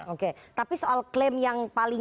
oke tapi soal klaim yang paling